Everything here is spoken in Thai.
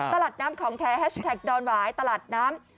ตลาดน้ำของแท้แฮชแท็กดอนหวายตลาดน้ำ